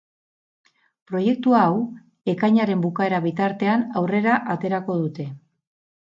Proiektu hau ekainaren bukaera bitartean aurrera aterako dute.